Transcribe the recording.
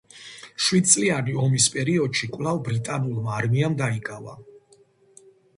შვიდწლიანი ომის პერიოდში კვლავ ბრიტანულმა არმიამ დაიკავა.